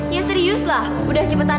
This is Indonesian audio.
ya serius lah udah cepetan